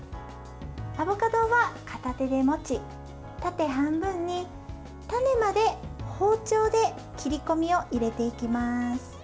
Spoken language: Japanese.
アボカドは片手で持ち、縦半分に種まで包丁で切り込みを入れていきます。